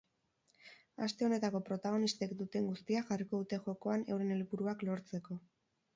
Aste honetako protagonistek duten guztia jarriko dute jokoan euren helburuak lortzeko.